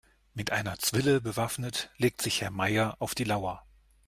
Mit einer Zwille bewaffnet legt sich Herr Meier auf die Lauer.